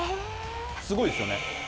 すごいですよね。